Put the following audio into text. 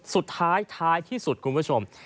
สุดท้ายท้ายที่สุดคุณผู้ชม